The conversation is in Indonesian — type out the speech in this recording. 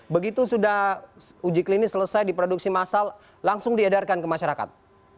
begitu sudah uji klinis selesai diproduksi massal langsung diedarkan ke masyarakat